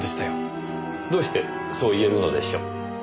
どうしてそう言えるのでしょう？